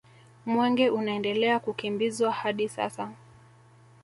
Mwenge unaendelea kukimbizwa hadi sasa